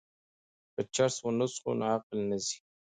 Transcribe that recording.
که چرس ونه څښو نو عقل نه ځي.